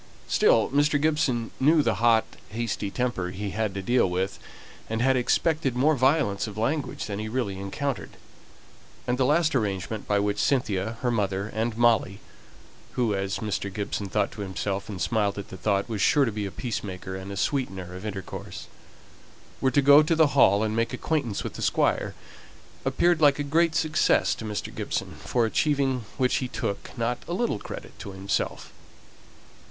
Still Mr. Gibson knew the hot hasty temper he had to deal with, and had expected more violence of language than he really encountered; and the last arrangement by which Cynthia, her mother, and Molly who, as Mr. Gibson thought to himself, and smiled at the thought, was sure to be a peacemaker, and a sweetener of intercourse were to go to the Hall and make acquaintance with the Squire, appeared like a great success to Mr. Gibson, for achieving which he took not a little credit to himself.